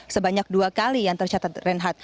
sebanyak dua kali yang tercatat reinhardt